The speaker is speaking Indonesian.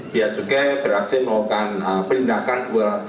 dia juga berhasil melakukan penindakan dua ratus lima